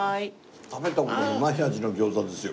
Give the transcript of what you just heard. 食べた事のない味の餃子ですよ